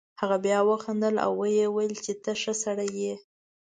هغه بیا وخندل او ویې ویل چې ته ښه سړی یې.